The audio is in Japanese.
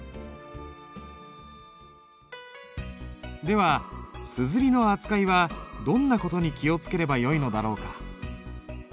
では硯の扱いはどんな事に気をつければよいのだろうか？